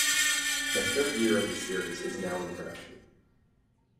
The third year of the series is now in production.